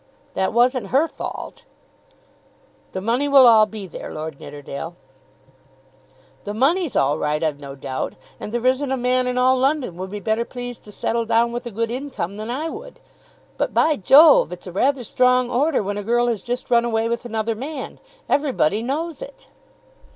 "That wasn't her fault." "The money will all be there, Lord Nidderdale." "The money's all right, I've no doubt. And there isn't a man in all London would be better pleased to settle down with a good income than I would. But, by Jove, it's a rather strong order when a girl has just run away with another man. Everybody knows it."